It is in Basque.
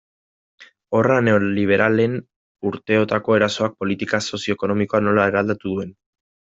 Horra neoliberalen urteotako erasoak politika sozio-ekonomikoa nola eraldatu duen.